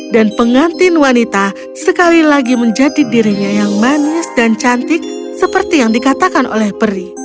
dan pengantin wanita sekali lagi menjadi dirinya yang manis dan cantik seperti yang dikatakan oleh peri